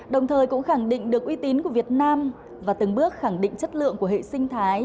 đồng thời cũng khẳng định được uy tín của việt nam và từng bước khẳng định chất lượng của hệ sinh thái